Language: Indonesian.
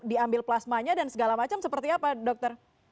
diambil plasmanya dan segala macam seperti apa dokter